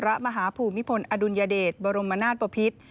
พระมหาผู้มิพลอดุลยเดชบรมนาสปภิษฐ์